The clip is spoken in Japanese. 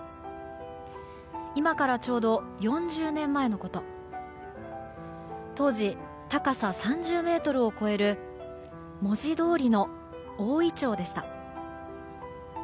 今からちょうど４０年前のこと当時高さ３０ｍを超える文字どおりの大イチョウでした。